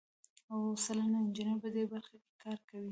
اوه سلنه انجینران په دې برخه کې کار کوي.